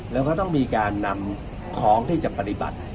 แล้วก็ต้องมีการนำของที่จะปฏิบัติ